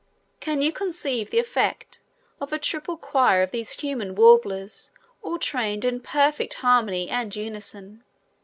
Can you conceive the effect of a triple choir of these human warblers all trained in perfect harmony and unison?